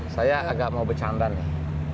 saya agak mau bercanda nih